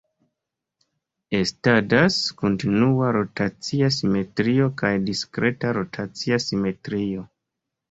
Estadas kontinua rotacia simetrio kaj diskreta rotacia simetrio.